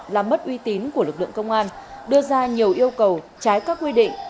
làm mất uy tín của lực lượng công an đưa ra nhiều yêu cầu trái các quy định